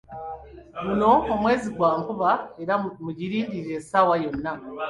Guno mwezi gwa nkuba era mugirindirire essaawa yonna.